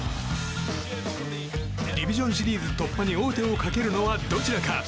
ディビジョンシリーズ突破に王手をかけるのはどちらか。